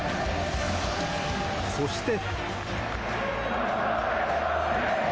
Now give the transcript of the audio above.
そして。